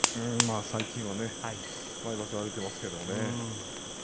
最近は毎場所荒れていますけどね。